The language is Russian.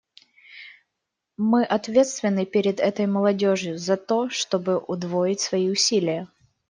Мы ответственны перед этой молодежью за то, чтобы удвоить свои усилия.